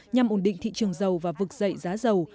nhằm ổn định thị trường dầu và vực dậy giá dầu